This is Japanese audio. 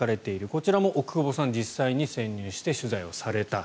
こちらも奥窪さんが実際に潜入して取材された。